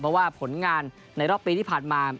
เพราะว่าผลงานในรอบปีที่ผ่านมา